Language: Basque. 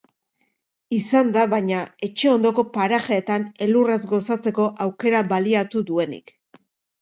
Izan da baina, etxe ondoko parajeetan elurraz gozatzeko aukera baliatu duenik.